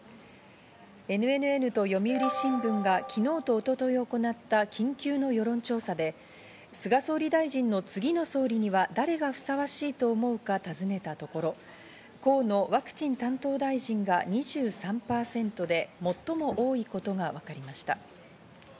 ＮＮＮと読売新聞が昨日と一昨日行った緊急の世論調査で、菅総理大臣の次の総理には誰がふさわしいと思うかたずねたところ、河野ワクチン担当大臣が２３％で最も多いことがわかりました。